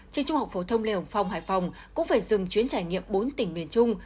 trường trung học phổ thông lê hồng phong hải phòng cũng phải dừng chuyến trải nghiệm bốn tỉnh miền trung